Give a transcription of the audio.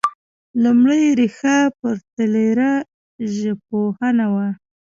لومړۍ ريښه پرتلیره ژبپوهنه وه